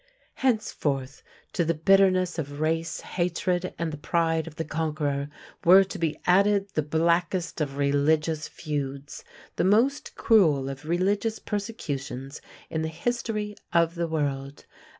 Henceforth, to the bitterness of race hatred and the pride of the conqueror were to be added the blackest of religious feuds, the most cruel of religious persecutions in the history of the world.